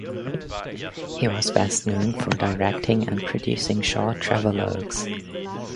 He was best known for directing and producing short travelogues.